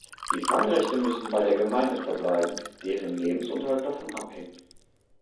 Die Fangrechte müssen bei den Gemeinden verbleiben, deren Lebensunterhalt davon abhängt.